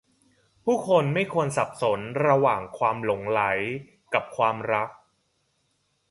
ผู้คนไม่ควรสับสนระหว่างความหลงใหลกับความรัก